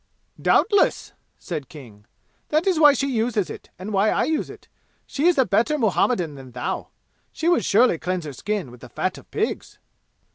"Doubtless!" said King. "That is why she uses it, and why I use it. She is a better Muhammadan than thou. She would surely cleanse her skin with the fat of pigs!"